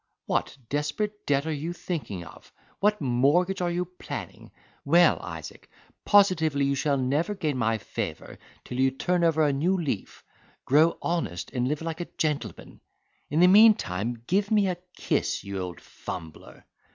What desperate debt are you thinking of? What mortgage are you planning? Well, Isaac, positively you shall never gain my favour till you turn over a new leaf, grow honest, and live like a gentleman. In the meantime give me a kiss, you old fumbler."